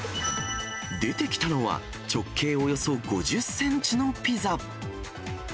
出てきたのは、直径およそ５０センチのピザ。